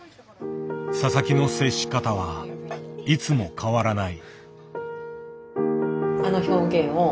佐々木の接し方はいつも変わらない。